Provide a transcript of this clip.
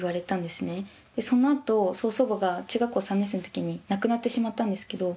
そのあと曽祖母が中学校３年生の時に亡くなってしまったんですけど。